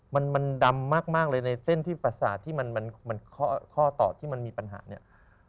มันดำมากเลยในเส้นที่ประสาทที่มันข้อตอบที่มันมีปัญหาเนี่ย